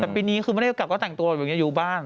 แต่ปีนี้คือไม่ได้กลับก็แต่งตัวแบบนี้อยู่บ้าง